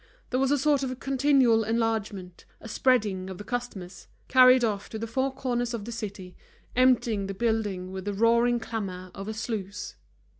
There was a sort of continual enlargement, a spreading of the customers, carried off to the four corners of the city, emptying the building with the roaring clamor of a sluice.